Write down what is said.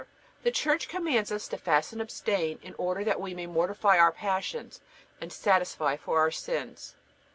The Church commands us to fast and abstain, in order that we may mortify our passions and satisfy for our sins.